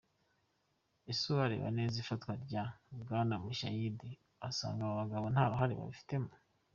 Ese uwareba neza ifatwa rya Bwana Mushayidi yasanga aba bagabo nta ruhare babifitemo?